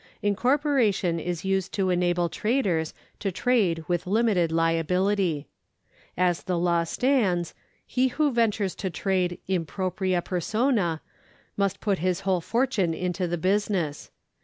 Incorporation is used to enable traders to trade with limited liability. As the law stands, he who ventures to trade in propria persona must put his whole fortune into the business.